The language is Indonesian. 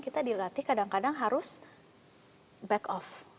kita dilatih kadang kadang harus back off